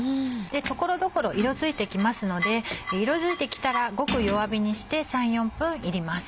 所々色づいて来ますので色づいて来たらごく弱火にして３４分炒ります。